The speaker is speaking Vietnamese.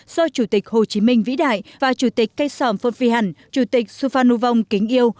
do chủ tịch hồ chí minh vĩ đại và chủ tịch cây sòm phân phi hẳn chủ tịch suphan ngu vong kính yêu